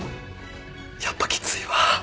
やっぱきついわ。